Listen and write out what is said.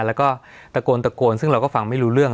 แล้วก็ตะโกนตะโกนซึ่งเราก็ฟังไม่รู้เรื่อง